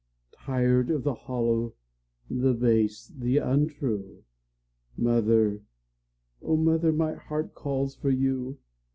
Tired of the hollow, the base, the untrue, Mother, O mother, my heart calls for you!